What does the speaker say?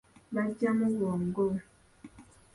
Bajjamu bwongo.